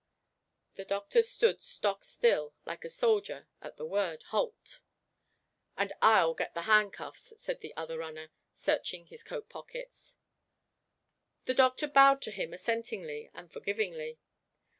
The doctor stood stockstill, like a soldier at the word, Halt. "And I'll get the handcuffs," said the other runner, searching his coat pockets. The doctor bowed to him assentingly and forgivingly.